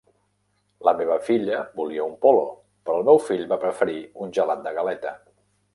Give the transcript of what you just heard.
La meva filla volia un polo, però el meu fill va preferir un gelat de galeta